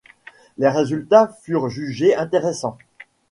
Les résultats furent jugés intéressants.